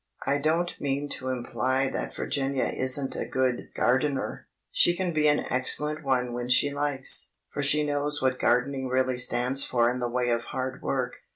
I don't mean to imply that Virginia isn't a good gardener; she can be an excellent one when she likes, for she knows what gardening really stands for in the way of hard work.